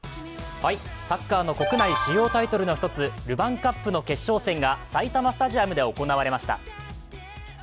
サッカーの国内主要タイトルの１つ、ルヴァンカップの決勝戦が埼玉スタジアムで行われました。